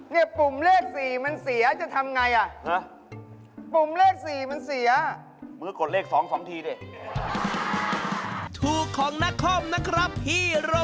นี่ปุ่มเลข๔มันเสียจะทำอย่างไรล่ะอะไรล่ะ